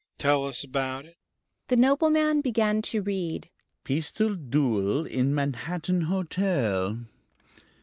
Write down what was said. Tell us about it?" The nobleman began to read: "'Pistol duel in Manhattan Hotel....